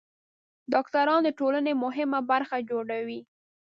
ډاکټران د ټولنې مهمه برخه جوړوي.